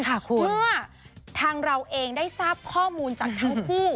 เมื่อทางเราเองได้ทราบข้อมูลจากทั้งคู่